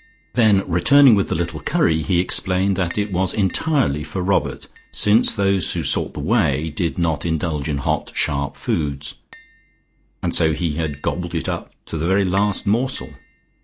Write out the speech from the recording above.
Then returning with the little curry he explained that it was entirely for Robert, since those who sought the Way did not indulge in hot sharp foods, and so he had gobbled it up to the very last morsel.